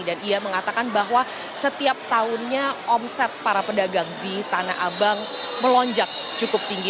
dan ia mengatakan bahwa setiap tahunnya omset para pedagang di tanah abang melonjak cukup tinggi